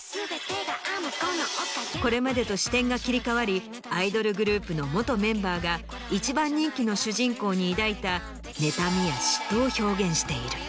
これまでと視点が切り替わりアイドルグループの元メンバーが一番人気の主人公に抱いたねたみや嫉妬を表現している。